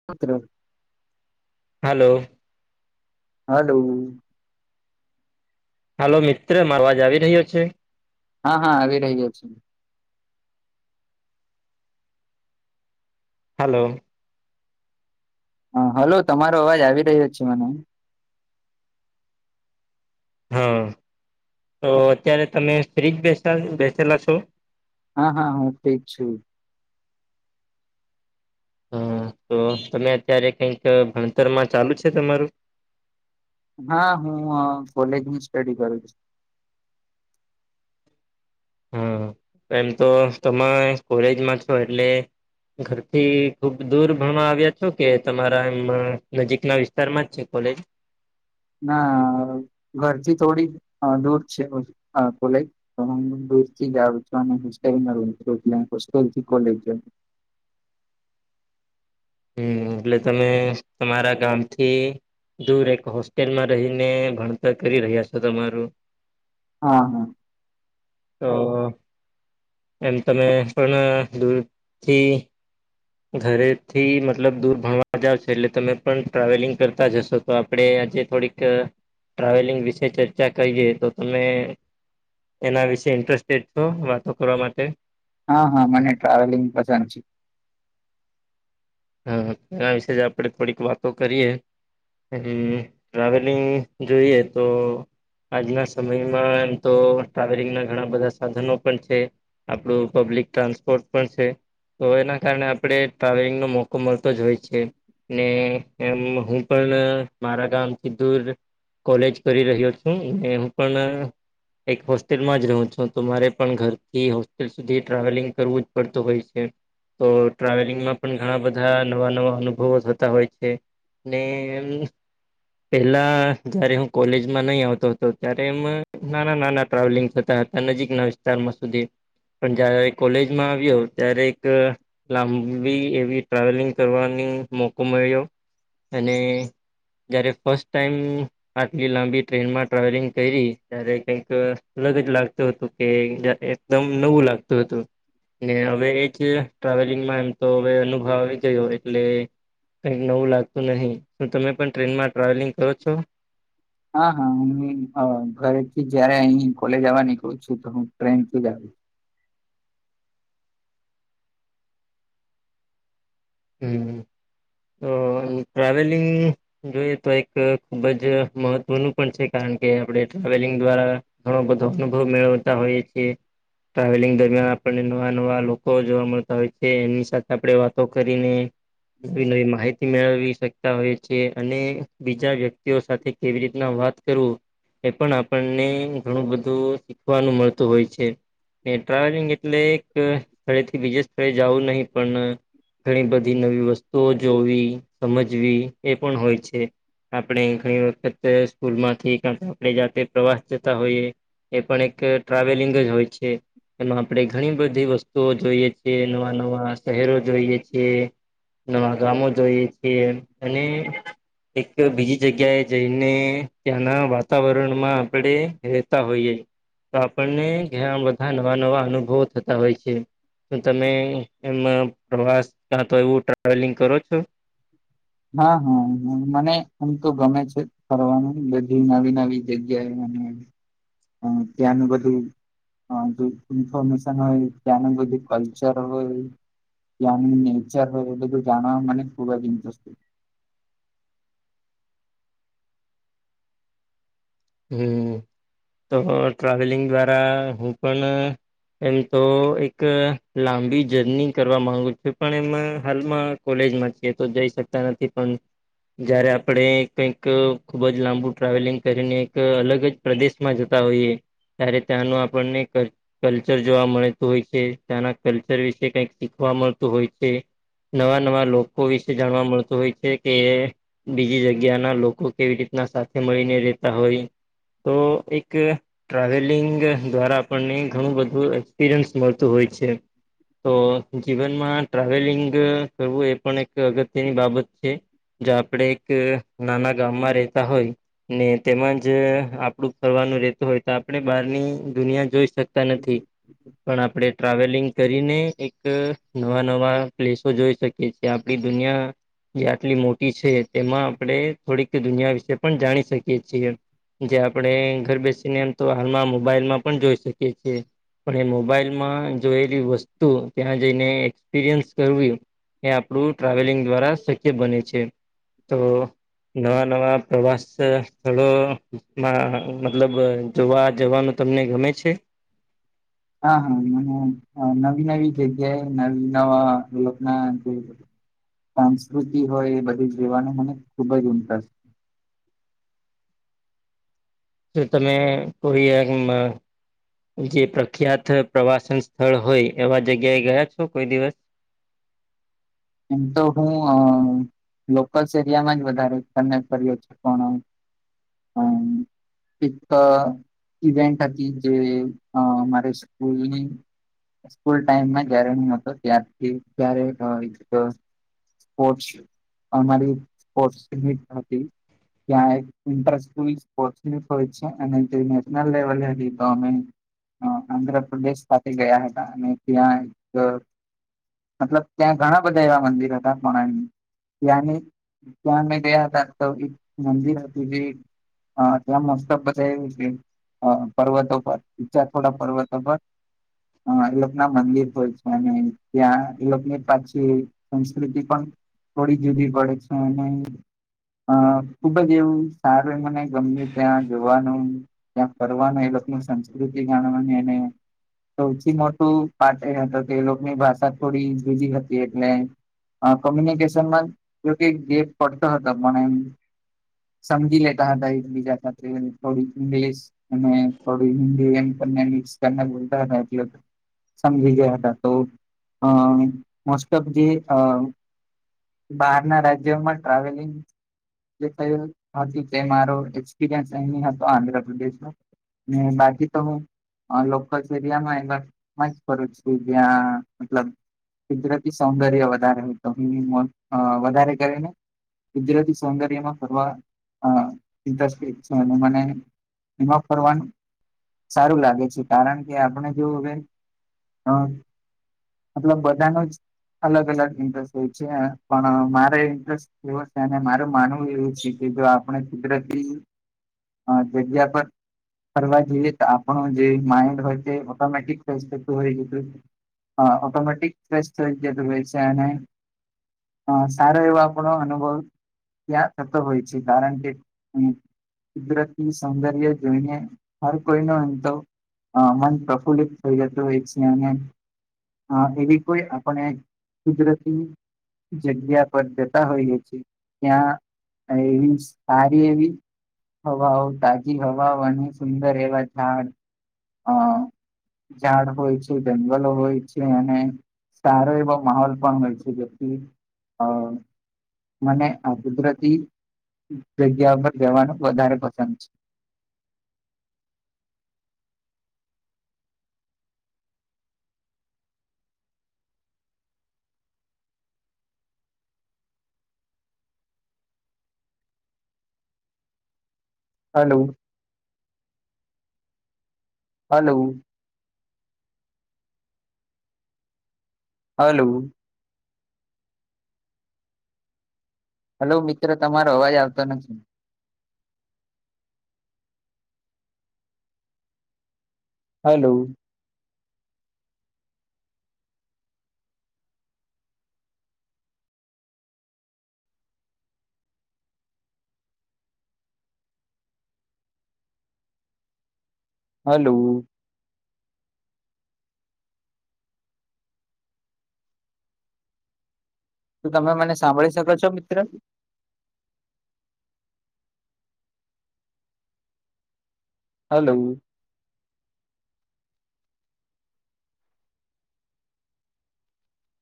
[unintelligible] હાલો hello hello મિત્ર મારો અવાજ આવી રહ્યો છે હા હા આવી રહીયો છે હાલો હ હલો તમારો અવાજ આવી રહ્યો છે મને હા તો અત્યારે તમે ફ્રીજ બેસા બેસેલા છો હા હા હું ઠીક છું હા તો તમે અત્યારે કઈક ભણતરમાં ચાલુ છે તમારું હા હું કોલેજ ની સ્ટડી કરું છું હમ એમ તો તમે કોલેજમાં છો એટલે ઘરથી ખુબ દૂર ભણા આવ્યા છો કે તમારા એમ નજીક ના વિસ્તારમાં જ છે કોલેજ ના ઘરથી થોડી દૂર છે કોલેજ તો હું દૂર થી [unintelligible] છું અને હોસ્ટેલ [unintelligible] હોસ્ટેલથી [unintelligible] હમ એટલે તમે તમારા ગામથી દૂર એક હોસ્ટેલમાં રહીને ભણતર કરી રહ્યા છો તમારું હા હા તો [inaudible] એમ તમે પણ દૂરથી ઘરેથી મતલબ દૂર ભણવા જાવ છે એટલે તમે પણ ટ્રાવેલિંગ કરતા જશો તો આપણે આજે થોડીક ટ્રાવેલિંગ વિશે ચર્ચા કરીે તો તમે એના વિશે ઇન્ટરેસ્ટેડ છો વાતો કરવા માટે હા હા મને ટ્રાવેલિંગ પસંદ છે. હા એના વિશે જ આપડે થોડીક વાતો કરીએ એ ટ્રાવેલિંગ જોઈએ તો આજના સમયમાં એમ તો ટ્રાવેલિંગના ઘણા બધા સાધનો પણ છે. આપડું પબ્લિક ટ્રાન્સપોર્ટ પણ છે તો એના કારણે આપણે ટ્રાવેલિંગનો મો લોકો મળતો જ હોય છે ને એમ હું પણ મારા ગામથી દૂર કોલેજ કરી રહ્યો છું હું પણ એક હોસ્ટેલમાં જ રહું છું તો મારે પણ ઘરથી હોસ્ટેલ સુધી ટ્રાવેલિંગ કરવું જ પડતું હોય છે તો ટ્રાવેલિંગમાં પણ ઘણા બધા બધા નવા નવા અનુભવો થતા હોય છે ને પેલા જયારે હું કોલેજમાં નહીં આવતો હતો ત્યારે એમ નાના નાના ટ્રાવેલિંગ થતા હતા નજીકના વિસ્તારમાં સુધી પણ જયારે કોલેજમાં આવ્યો ત્યારે એક લાંબી એવી ટ્રાવેલિંગ કરવાનો મોકો મળ્યો અને જયારે ફર્સ્ટ ટાઈમ આટલી લાંબી ટ્રેનમાં ટ્રાવેલિંગ કરી ત્યારે કઈક અલગ જ લાગતું હતું કે એકદમ નવું લાગતું હતું ને હવે એજ ટ્રાવેલિંગમાં એમ તો હવે અન આવી ગયો એટલે કઈક નવું લાગતું નહીિ શું તમે પણ ટ્રેનમાં ટ્રાવેલિંગ કરો છો હા હા હ ઘરેથી જયારે અહી કોલેજ આવવા નીકું છું તો હું ટ્રેન થી જ આવી હમ તો ટ્રાવેલિંગ [unintelligible] જોઈએ તો એક ખુબ જ મહત્વનું પણ છે કારણ કે આપણે ટ્રાવેલિંગ દ્વારા ઘણ બધો અનુભવ મેળવતા હોય છે ટ્રાવેલિંગ દરમિયાન આપણને નવા નવા લોકો જોવા મળતા હોય છે એની સાથે આપડે વાતો કરીને નવી નવી માહિતી મેળવી શકતા હોય છે અને બીજા વ્યક્તિઓ સાથે કેવી રીતના વાત કરું એ પણ આપણને ઘણું બધું શીખવાનું મળતું હોય છે ટ્રાવેલિંગ એટલે એક સ્થળે થી બીજે સ્થળે જવું નહીિ પણ ઘણી બધી નવી વસ્તુઓ જોવી સમજવી એ પણ હોય છે આપણે ઘણી વખત સ્કૂલમાંથી કાર આપ જાતે પ્રવાસ જતા હોઈએ એ પણ એક ટ્રાવેલિંગ જ હોય છે એમાં આપણે ઘણી બધી વસ્તુઓ જોઈએ છેીએ નવા નવા શહેરો જોઈએ છીએ નવા ગામો જોઈએ છીએ અને એક બીજી જગ્યાએ જઈને ત્યાંના વાતાવરણમાં આપણે રહેેતા હોઈએ તો આપણને ઘ બધા નવા નવા અનુભવો થતા હોય છે તો તમે એમાં પ્રવાસ તો એવું ટ્રાવેલિંગ કરો છો હા હાા મને એમ તો ગમે છે ફરનું બધી નવી નવી જગ્યાએ અને ત્યાંનું બધું હ ઇન્ફોર્મેશન હોય તને બધું કલ્ચર હોય એ નેચર વટલે તો જાણ મને ખુબ જ ઇન્ટરસ્ટ હમ તો ટ્રાવેલિંગ દ્વારા હું પણ એમ તો એક લાંબી જર્ની કરવા માંગુ છું પણ એમાં હાલમાં કોલેજમાં છે તો જઈ શકતા નથી પણ જયારે આપણે કઈક ખુબ જ લાંબુ ટ્રાવેલિંગ કરીને અલગ જ પ્રદેશમાં જતા હોઈએ ત્યારે ત્યાંનું આપણને ક કલ્ચર જોવા મળેતું હોય છે ત્યાંના કલ્ચર વિશે કઈક શીખવા મળતું હોય છે. નવા નવા લોકો વિશે જાણવા મળતું હોય છે કે બીજી જગ્યા ના લોકો કેવી રીતના સાથે મળીને રેતા હોય. તો એક ટ્રાવેલિંગ દ્વારા આપણને ઘણું બધું એક્સપિરિયન્સ મળતું હોય છે. તો જીવનમાં ટ્રાવેલિંગ કરવું એ પણ એક અગત્યની બાબત છે. જો આપડે એક નાના ગામમાં રેતા હોય ને તેમાં જે આપણું ફરવાનું રહેતું હોય તો આપણે બહારની દુનિયા જોઈ સકતા નથી પણ આપણે ટ્રાવેલિંગ કરીને એક નવા નવા પ્લેસો જોઈ શકીએ છીએ આપડી દુનિયા જે આટલી મોટી છે, તેમાં આપણે થોડીક દુનિયા વિશે પણ જાણી શકીએ છીએ. જે આપણે ઘર બેસીને એમ તો હાલમાં મોબાઈલમાં પણ જોઈ શકીએ છીએ પણ એ મોબાઈલ મા જોયેલી વસ્તુ ત્યાં જઈને એક્સપિરિયન્સ કરવી એ આપણું ટ્રાવેલિંગ દ્વારા શક્ય બને છે. તો નવા નવા પ્રવાસ સ્થળો માં મતલબ જોવા જવાનું તમને ગમે છે? હા હા મને નવી નવી જગ્યાએ નવી નવા લોકના સંસ્કૃતિ હોય એ બધું જેવાનો મને ખુબ જ ઇન્ટરેસ્ટ જો તમે કોઈ એમ જે પ્રખ્યાત પ્રવાસન સ્થળ હોય એવા જગ્યાએ ગયા છો કોઈ દિવસ? એ તો હું અ લોકલ્સ એરિયામાં જ વધારેને [unintelligible] એક ઈવેન્ટ હતી જે મારે અ સ્કૂલની સ્કૂલ ટાઈમમાં જયારે ન હતો ત્યારથી જ ત્યારે સ્પોર્ટ અમારી સ્પોર્ટ્સ નિટ હતી. ત્યાં એક [unintelligible] હોય છે, અને નેશનલ લેવલે હતી તો અમે આંધ્રપ્રદેશ પાસે ગયા હતા અને ત્યાં એક મતલબ ત્યાં ઘણા બધા એવા મંદિર હતા [unintelligible] ત્યાંની ત્યાં મેં ગયા હતા તો એક મંદિર હતી જે હા એટલા મસ્ત બજાઈ છે. હ પર્વતો પર ઈચ્છા થોડા પર્વતો પર હા એ લોક ના મંદિર હોય છે અને ત્યાં એ લોકની પાછ કે સંસ્કૃતિ પણ થોડી જુદી પડે છે અને અ ખુબ જ એવું સારું મને ગમ્યું ત્યાં જોવાનું. ત્યાં ફરવાનું એ લોકો સંસ્કૃતિ ગણવાની એને સૌથી મોટું પાટ એ હતો કે એ લોકો ની ભાષા થોડી જુદી હતી. એટલે કોમ્યુનિકેશનમાં જોકે ગેપ પડતો હતો પણ એમ સમજી લેતા હતા એક બીજા સાથે થોડુ ઇંગલિશ અને થોડી હિન્દી એમ મિકસને બોલતા હતા એટ સમજી ગયા હતા તો મોસ્ટ ઓફ જે અ બહાર ના રાજ્યોમાં ટ્રાવેલિંગ ક તે મારો એક્સપિરયસ એ હતો આંધ્રપ્રદેશ નો બાકી તો હું લોકલ એરિયામાં એમાંજ ફરું છું જ્યાં મતલબ કુદરતી સૌંદર્ય વધારે હોય તો એ મો વધારે કરીને. કુદરતી સૌંદર્ય માં ફરવા ઇન્ટ્રેસ્ટેડ છે, એમા મને એમાં ફરવાનું સારું લાગે છે, કારણ કે આપણે જો હવે. મતલબ બધા ન જ અલગ અલગ ઇન્ટરેસ્ટ હોય છે, પણ મારે ઇન્ટરેસ્ટ કેવ છે મારું માન શું એવું છે કે જો આપણે કુદરતી જગ્યા પર ફરવા જોઈએ તો આપણો જે માઇન્ડ હોય તે ઓટોમેટિક હોય છે. [unintelligible] હા ઓટોમાટિક થ છે એને હ સારો એવો આપણો અનુભવ. ત્યા સતો હોય છે કારણ કે હમ. કુદરતી સૌંદર્ય જોઈને હર કોઈ ન અંત. અ મન પ્રફુલ્લિત થઈ જતું હોય છે અને એવી. કોઈ આપણે કુદરતી. જગ્યા પર જતા હોઈએ છે ત્યાં. એવી સારી એવી. હવાઓ તાજી હવાઓ અને સુંદર એવા ઝાડ. અ ઝાડ હોય છે જંગલો હોય છે અને. સારો એવો માહોલ પણ હોય છે જેથી અ. મને આ કુદરતી જગ્યા પર જવાનું વધારે પસંદ છે. હલો. હલો. હલો. હલો મિત્ર તમારો અવાજ આવતો નથી. હલો. હલો. ત તમે મને સાંભળી શકો છો મિત્ર. હલો.